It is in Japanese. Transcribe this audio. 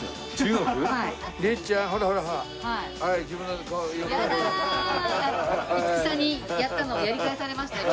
五木さんにやったのをやり返されました今。